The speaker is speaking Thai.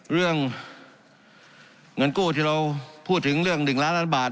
เรื่องเงินกู้ที่เราพูดถึงเรื่อง๑ล้านล้านบาท